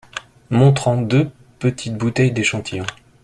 Montrant deux petites bouteilles d’échantillon.